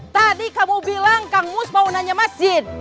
tadi kamu bilang kang mus mau nanya masjid